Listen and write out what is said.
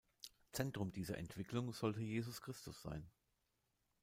Zentrum dieser Entwicklung sollte Jesus Christus sein.